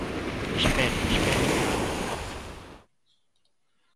Espere, espere, que acabo.